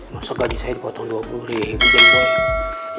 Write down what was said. masuk gaji saya dipotong dua puluh ribu den boy